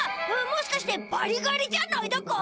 もしかしてバリガリじゃないだか！？